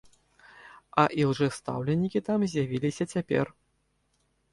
А ілжэстаўленікі там з'явіліся цяпер.